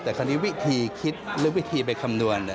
แต่คราวนี้วิธีคิดหรือวิธีไปคำนวณ